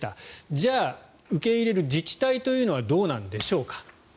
じゃあ受け入れる自治体というのはどうなんでしょうか。